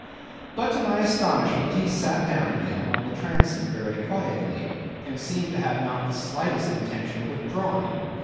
But to my astonishment, he sat down again on the transom very quietly, and seemed to have not the slightest intention of withdrawing.